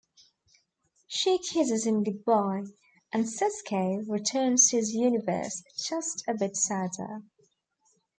She kisses him goodbye, and Sisko returns to his universe just a bit sadder.